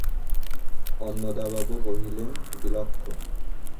অন্নদাবাবু কহিলেন, বিলক্ষণ!